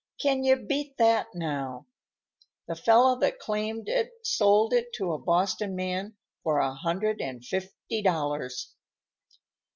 Can you beat that, now? The fellow that claimed it sold it to a Boston man for a hundred and fifty dollars."